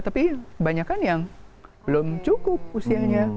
tapi kebanyakan yang belum cukup usianya